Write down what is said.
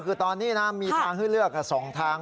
คือตอนนี้นะมีทางให้เลือก๒ทาง